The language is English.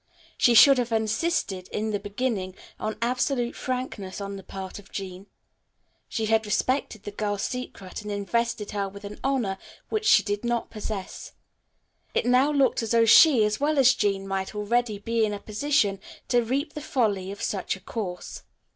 She should have insisted, in the beginning, on absolute frankness on the part of Jean. She had respected the girl's secret and invested her with an honor which she did not possess. It now looked as though she, as well as Jean, might already be in a position to reap the folly of such a course.